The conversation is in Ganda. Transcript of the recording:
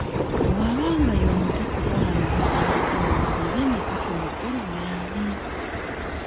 Bw'aba nga omuto ku baana abazaaliddwa ababiri ye Nakato omukulu y'ani?